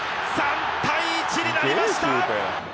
３対１になりました。